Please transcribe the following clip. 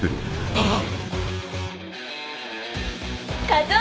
あっ。